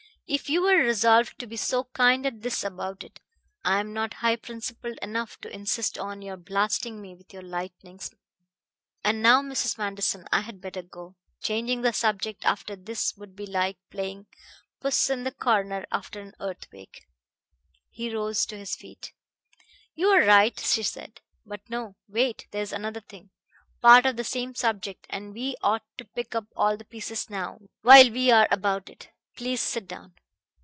"If you're resolved to be so kind as this about it, I am not high principled enough to insist on your blasting me with your lightnings. And now, Mrs. Manderson, I had better go. Changing the subject after this would be like playing puss in the corner after an earthquake." He rose to his feet. "You are right," she said. "But no! Wait. There is another thing part of the same subject; and we ought to pick up all the pieces now while we are about it. Please sit down."